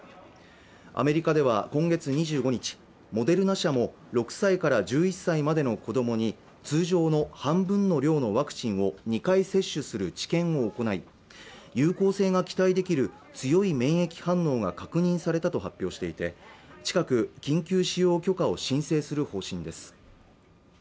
アメリカでは今月２５日モデルナ社も６歳から１１歳までの子どもに通常の半分の量のワクチンを２回接種する治験を行い有効性が期待できる強い免疫反応が確認されたと発表していて近く緊急使用許可を申請する方針です